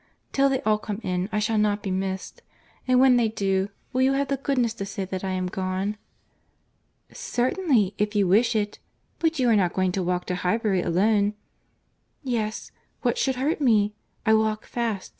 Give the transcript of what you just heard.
Till they all come in I shall not be missed; and when they do, will you have the goodness to say that I am gone?" "Certainly, if you wish it;—but you are not going to walk to Highbury alone?" "Yes—what should hurt me?—I walk fast.